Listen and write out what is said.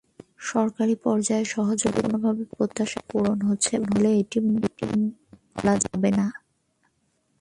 সরকারি পর্যায়ের সহযোগিতায় সম্পূর্ণভাবে প্রত্যাশা পূরণ হয়েছে, এটি বলা যাবে না।